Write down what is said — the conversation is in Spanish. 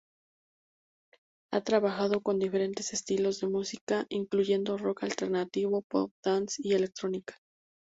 Ha trabajado con diferentes estilos de música, incluyendo Rock Alternativo, Pop, Dance y Electrónica.